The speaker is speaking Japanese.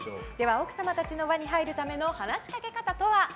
奥様たちの輪に入るための話しかけ方とは？